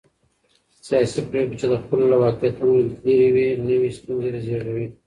سیاسي پرېکړې چې د خلکو له واقعيتونو لرې وي، نوې ستونزې زېږوي.